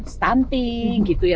stunting gitu ya